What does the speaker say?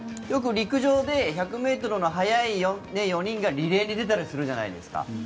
よく陸上で１００ｍの速い４人がリレーに出たりするじゃないですか。